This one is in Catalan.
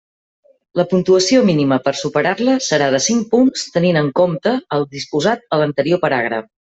La puntuació mínima per superar-la serà de cinc punts tenint en compte el disposat a l'anterior paràgraf.